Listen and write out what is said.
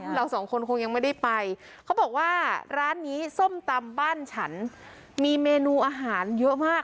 เราสองคนคงยังไม่ได้ไปเขาบอกว่าร้านนี้ส้มตำบ้านฉันมีเมนูอาหารเยอะมาก